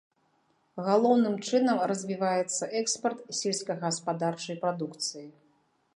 Галоўным чынам развіваецца экспарт сельскагаспадарчай прадукцыі.